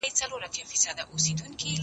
زه اوږده وخت د سبا لپاره د ژبي تمرين کوم..